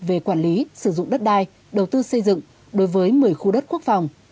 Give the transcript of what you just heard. về quản lý sử dụng đất đai đầu tư xây dựng đối với một mươi khu đất quốc phòng